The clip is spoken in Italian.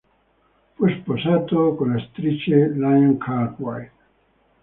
Fu sposato con l'attrice Lynn Cartwright.